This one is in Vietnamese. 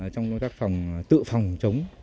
trong công tác tự phòng chống